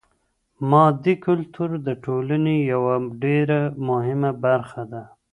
مادي کلتور د ټولني يوه ډېره مهمه برخه ده.